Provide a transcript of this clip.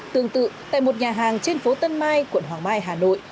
tương tự tại một nhà hàng trên phố tân mai quận hoàng mai hà nội